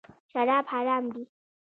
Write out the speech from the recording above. شراب حرام دي .